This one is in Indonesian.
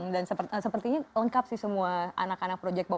dan sepertinya lengkap sih semua anak anak project pop